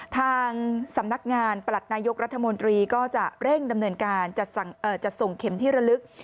ทางสำนักงานประหลัดนายกรัฐมนตรีก็จะเร่งดำเนินการจัดส่งเข็มที่ระลึก